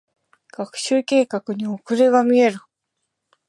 学習計画に遅れが見える。